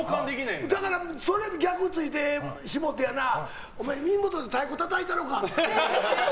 だから逆を突いてしもうてやなお前耳元で太鼓たたいたろかとか。